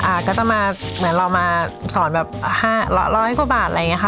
ก็จะมาเหมือนเรามาสอนแบบห้าร้อยกว่าบาทอะไรอย่างนี้ค่ะ